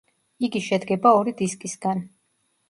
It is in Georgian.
იგი შედგება ორი დისკისგან.